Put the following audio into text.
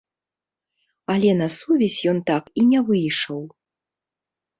Але на сувязь ён так і не выйшаў.